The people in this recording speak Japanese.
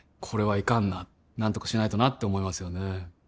これはいかんな何とかしないとなって思いますよね